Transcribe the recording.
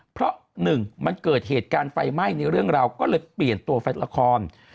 เพราะหนึ่งมันเกิดเหตุการณ์ไฟไหม้ในเรื่องราวก็เลยเปลี่ยนตัวละคร